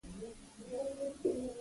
د امپراتورۍ لمن یې ورځ په ورځ پراخه شوه.